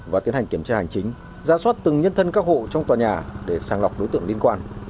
và tiến hành kiểm tra hành chính ra soát từng nhân thân các hộ trong tòa nhà để sàng lọc đối tượng liên quan